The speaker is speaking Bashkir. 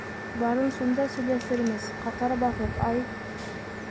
Барын сунда сөйләсермез ҡатар баҫып, ай...